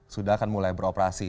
sudah akan mulai beroperasi